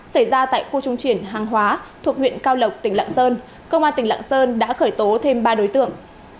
xảy ra tại khu trung chuyển hàng hóa thuộc huyện cao lộc tỉnh lạng sơn công an tỉnh lạng sơn đã khởi tố thêm ba đối tượng